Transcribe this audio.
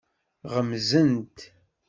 Ɣemzent.